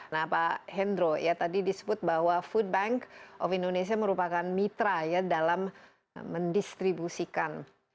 nah pak hendro ya tadi disebut bahwa food bank of indonesia merupakan mitra ya dalam mendistribusikan